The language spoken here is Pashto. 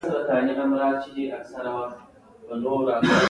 له لمر راختلو سره که څه هم طوفاني باد چلېده.